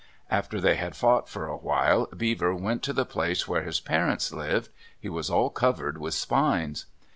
After they had fought for a while, Beaver went to the place where his parents lived. He was all covered with spines.